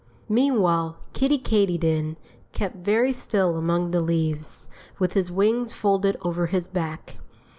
Meanwhile Kiddie Katydid kept very still among the leaves, with his wings folded over his back.